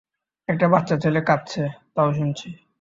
একটা বাচ্চা ছেলে কাঁদছে-তাও শুনছি।